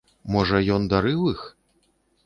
Можа, ён дарыў іх?